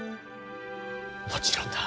もちろんだ。